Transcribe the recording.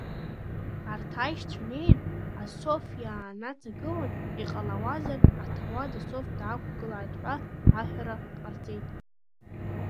Арҭ аишьцәа неин асоф ианнаҵагыла, иҟалауазар аҭауад асоф даақәгылааит ҳәа аҳәара ҟарҵеит.